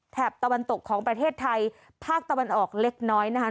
ตะวันตกของประเทศไทยภาคตะวันออกเล็กน้อยนะคะ